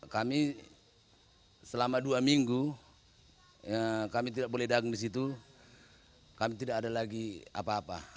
kami selama dua minggu kami tidak boleh dagang di situ kami tidak ada lagi apa apa